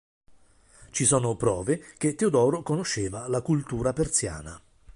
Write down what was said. Ci sono prove che Teodoro conosceva la cultura persiana.